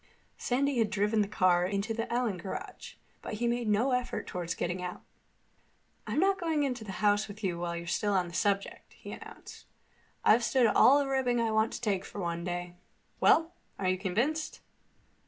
Sandy had driven the car into the Allen garage, but he made no effort toward getting out. "I'm not going into the house with you while you're still on this subject," he announced. "I've stood all the ribbing I want to take for one day. Well? Are you convinced?"